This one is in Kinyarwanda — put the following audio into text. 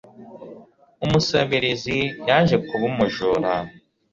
Umusabirizi yaje kuba umujura.